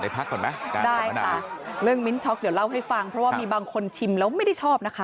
เพราะว่ามีบางคนชิมแล้วไม่ได้ชอบนะคะ